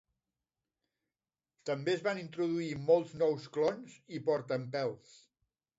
També es van introduir molts nous clons i portaempelts.